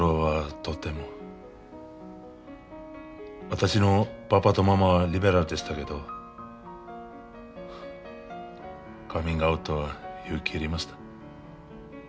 私のパパとママはリベラルでしたけどカミングアウトは勇気いりました。